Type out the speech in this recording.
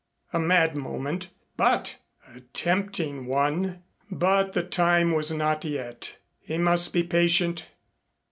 A mad moment but a tempting one. But the time was not yet. He must be patient.